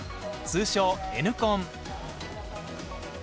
通称Ｎコン。